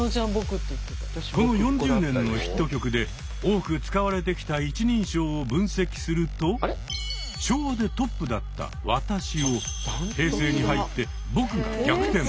この４０年のヒット曲で多く使われてきた一人称を分析すると昭和でトップだった「わたし」を平成に入って「ぼく」が逆転。